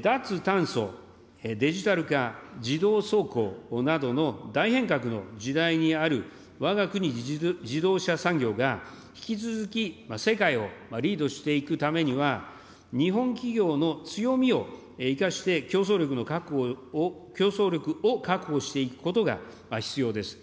脱炭素、デジタル化、自動走行などの大変革の時代にあるわが国自動車産業が、引き続き世界をリードしていくためには、日本企業の強みを生かして競争力の確保を、競争力を確保していくことが必要です。